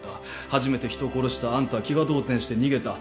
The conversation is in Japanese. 初めて人を殺したあんたは気が動転して逃げた。